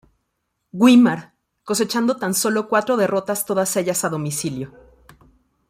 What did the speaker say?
Güímar," cosechando tan solo cuatro derrotas todas ellas a domicilio.